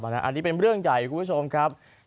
อันนี้เป็นเรื่องใหญ่คุณผู้ชมครับ